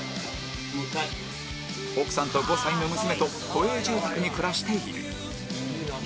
奥さんと５歳の娘と都営住宅に暮らしている